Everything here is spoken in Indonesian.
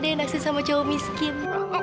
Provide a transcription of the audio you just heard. kau tau andai naksir sama cowok miskin